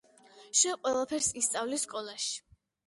შენ ყველაფერს ისწავლი სკოლაში